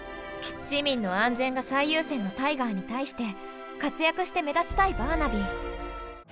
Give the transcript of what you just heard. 市民の安全が最優先のタイガーに対して活躍して目立ちたいバーナビー。